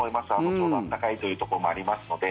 ちょうど暖かいというところもありますので。